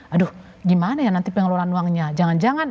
aduh gimana ya nanti pengelolaan uangnya jangan jangan